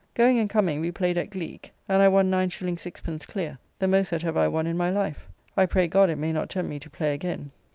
Going and coming we played at gleeke, and I won 9s. 6d. clear, the most that ever I won in my life. I pray God it may not tempt me to play again.